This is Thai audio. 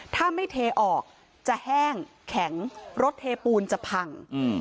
ถ้าไม่เทออกจะแห้งแข็งรถเทปูนจะพัง